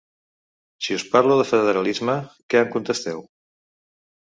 Si us parlo de federalisme, què em contesteu?